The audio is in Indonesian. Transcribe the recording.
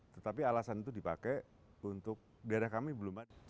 tetapi alasan itu dipakai untuk daerah kami belum ada